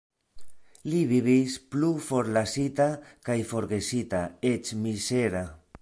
Li vivis plu forlasita kaj forgesita, eĉ mizera.